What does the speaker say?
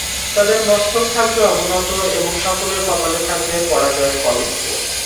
তাদের মস্তক থাকবে অবনত এবং সকলের কপালে থাকবে পরাজয়ের কলংক।